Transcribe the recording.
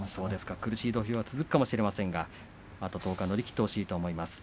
苦しい土俵は続くと思いますがあと１０日乗り切ってほしいと思います。